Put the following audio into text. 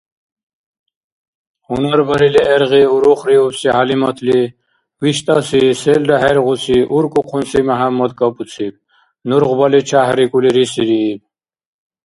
Гьунар барили гӀергъи урухриубси ХӀялиматли, виштӀаси, селра хӀергъуси, уркӀухъунси МяхӀяммад кӀапӀуциб, нургъбали чяхӀрикӀули рисирииб.